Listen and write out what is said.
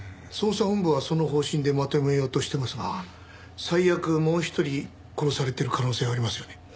捜査本部はその方針でまとめようとしてますが最悪もう一人殺されてる可能性がありますよね。